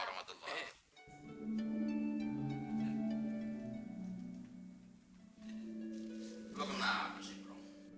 lu kenapa sih bro